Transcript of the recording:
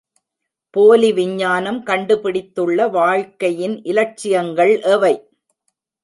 போலி விஞ்ஞானம் கண்டுபிடித்துள்ள வாழ்க்கையின் இலட்சியங்கள் எவை?